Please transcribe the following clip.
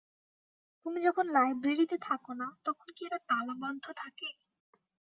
তুমি যখন লাইব্রেরিতে থাক না, তখন কি এটা তালাবন্ধ থাকে?